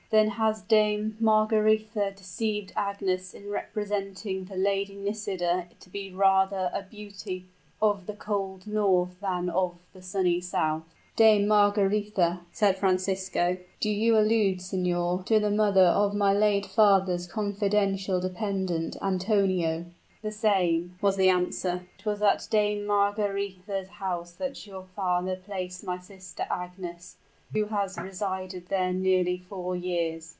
"Then has Dame Margaretha deceived Agnes in representing the Lady Nisida to be rather a beauty of the cold north than of the sunny south." "Dame Margaretha!" said Francisco; "do you allude, signor, to the mother of my late father's confidential dependent, Antonio?" "The same," was the answer. "It was at Dame Margaretha's house that your father placed my sister Agnes, who has resided there nearly four years."